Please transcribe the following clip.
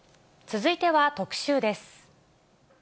続いては特集です。